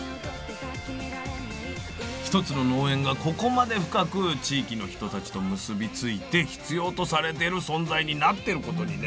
一つの農園がここまで深く地域の人たちと結び付いて必要とされてる存在になってることにね